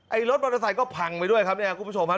รถมอเตอร์ไซค์ก็พังไปด้วยครับเนี่ยคุณผู้ชมฮะ